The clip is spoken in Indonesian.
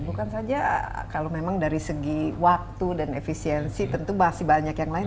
bukan saja kalau memang dari segi waktu dan efisiensi tentu masih banyak yang lain